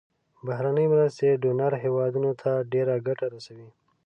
بهرنۍ مرستې ډونر هیوادونو ته ډیره ګټه رسوي.